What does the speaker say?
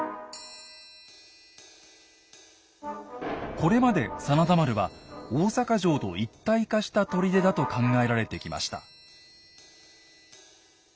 これまで真田丸は大坂城と一体化した砦だと考えられてきました。